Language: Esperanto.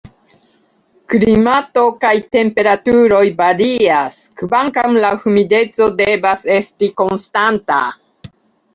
Klimato kaj temperaturoj varias, kvankam la humideco devas esti konstanta.